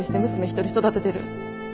一人育ててる。